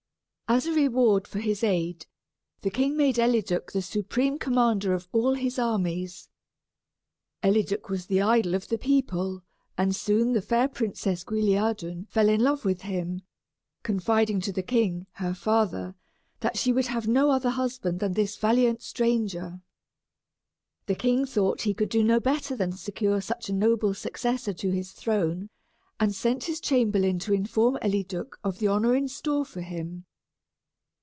As a reward for his aid, the king made Eliduc the supreme commander of all his armies. Eliduc was the idol of the people, and soon the fair Princess Guilliadun fell in love with him, confiding to the king, her father, that she would have no other husband than this valiant stranger. The king thought he could do no better than secure such a noble successor to his throne, and sent his chamberlain to inform Eliduc of the honor in store for him.